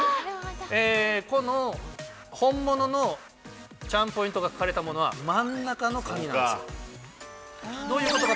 この本物のチャームポイントが書かれたものは真ん中の紙なんですよ。